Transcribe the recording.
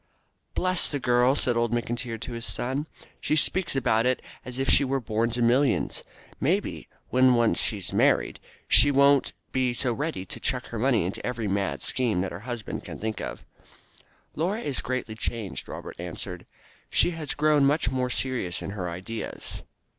"Bless the girl!" said old McIntyre to his son; "she speaks about it as if she were born to millions. Maybe, when once she is married, she won't be so ready to chuck her money into every mad scheme that her husband can think of." "Laura is greatly changed," Robert answered; "she has grown much more serious in her ideas."